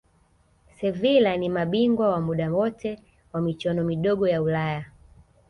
sevila ni mabingwa wa muda wote wa michuano midogo ya ulaya